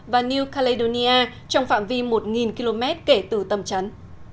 và new caledonia trong phạm vi một km kể từ tâm trấn